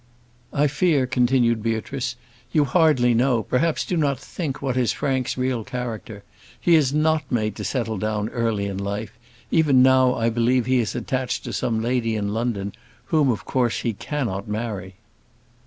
"I fear," continued Beatrice, "you hardly know, perhaps do not think, what is Frank's real character. He is not made to settle down early in life; even now, I believe he is attached to some lady in London, whom, of course, he cannot marry."